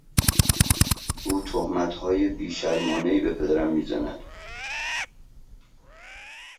او تهمتهای بیشرمانهای به پدرم میزد.